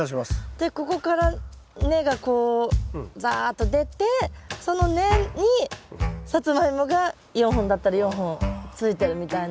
でここから根がこうざっと出てその根にサツマイモが４本だったら４本ついてるみたいな。